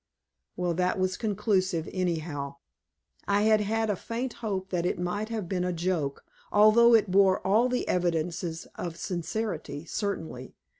Well, that was conclusive, anyhow. I had had a faint hope that it might have been a joke, although it had borne all the evidences of sincerity, certainly.